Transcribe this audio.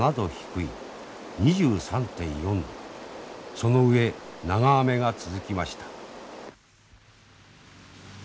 その上長雨が続きました。